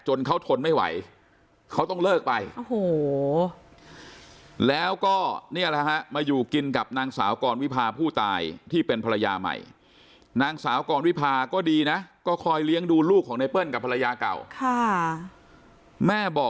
จนเขาทนไม่ไหวเขาต้องเลิกไปโอ้โฮ